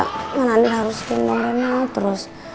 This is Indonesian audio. kan andin harus ke rumah rumah terus